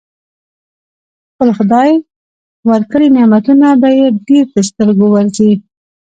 خپل خدای ورکړي نعمتونه به يې ډېر تر سترګو ورځي.